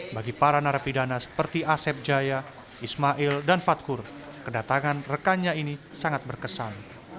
bagi para narapidana seperti asep jaya ismail dan fadkur kedatangan rekannya ini sangat berkesan